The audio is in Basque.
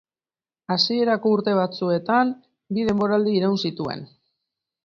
Hasierako urte batzuetan bi denboraldi iraun zituen.